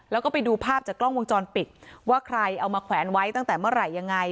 แล้วก็ไปดูภาพจากกล้องวงจรปิดว่าใครเอามาแขวนไว้ตั้งแต่เมื่อไหร่ยังไง